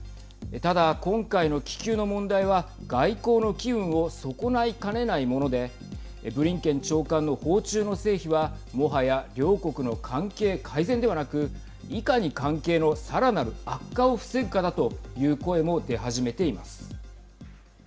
ただ、今回の気球の問題は外交の機運を損ないかねないものでブリンケン長官の訪中の成否はもはや両国の関係改善ではなくいかに関係のさらなる悪化を防ぐかだという声も出始めています。